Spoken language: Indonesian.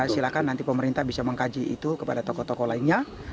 silahkan nanti pemerintah bisa mengkaji itu kepada tokoh tokoh lainnya